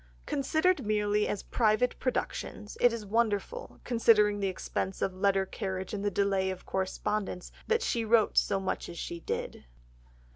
Considered merely as private productions, it is wonderful, considering the expense of letter carriage and the delay of correspondence, that she wrote so much as she did.